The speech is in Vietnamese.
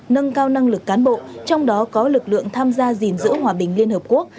nâng cao năng lực cán bộ trong đó có lực lượng tham gia gìn giữ hòa bình liên hợp quốc